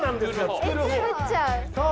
作っちゃう？